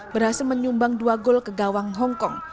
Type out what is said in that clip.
berhasil menyumbang dua gol ke gawang hong kong